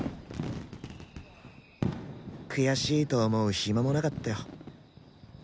悔しいと思う暇もなかったよ。